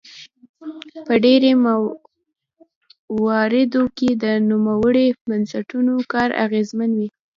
په ډیری مواردو کې د نوموړو بنسټونو کار اغیزمن وي.